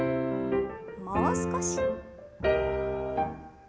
もう少し。